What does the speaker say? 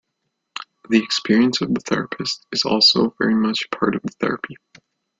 The experience of the therapist is also very much part of the therapy.